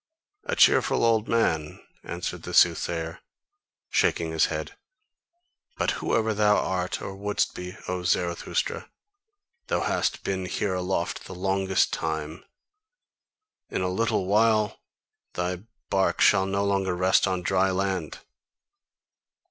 "A cheerful old man?" answered the soothsayer, shaking his head, "but whoever thou art, or wouldst be, O Zarathustra, thou hast been here aloft the longest time, in a little while thy bark shall no longer rest on dry land!"